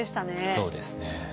そうですね。